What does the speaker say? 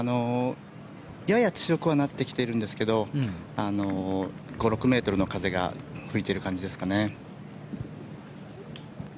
やや強くはなってきているんですが５６ｍの風が吹いている感じですかね。